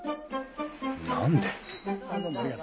何で？